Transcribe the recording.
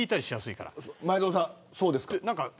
前園さん、そうですか。